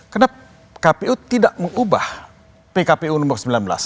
karena kpu tidak mengubah pkpu nomor sembilan belas